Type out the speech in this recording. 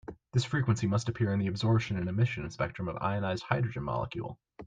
This frequency must appear in the absorption and emission spectrum of ionized hydrogen molecule.